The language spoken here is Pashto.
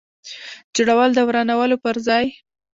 جوړول د ورانولو پر ځای.